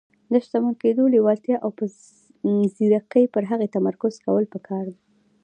د شتمن کېدو لېوالتیا او په ځيرکۍ پر هغې تمرکز کول پکار دي.